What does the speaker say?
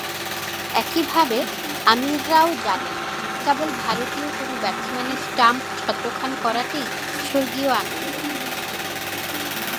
একইভাবে আমিররাও জানেন, কেবল ভারতীয় কোনো ব্যাটসম্যানের স্টাম্প ছত্রখান করাতেই স্বর্গীয় আনন্দ।